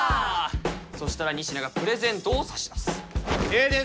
そしたら仁科がプレゼントを差し出す停電